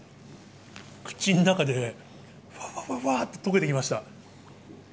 口の中でふわふわふわって溶けていきました。